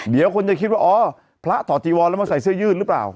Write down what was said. เดี๋ยวคนจะคิดว่าอ๋อพระถอดจีวรแล้วมาใส่เสื้อยืดหรือเปล่า